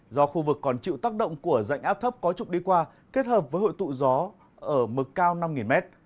do khu vực còn chịu tác động của dạnh áp thấp có trục đi qua kết hợp với hội tụ gió ở mực cao năm m